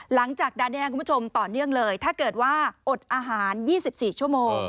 หลังจากนั้นคุณผู้ชมต่อเนื่องเลยถ้าเกิดว่าอดอาหาร๒๔ชั่วโมง